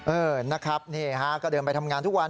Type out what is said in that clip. เออนะครับนี่ฮะก็เดินไปทำงานทุกวัน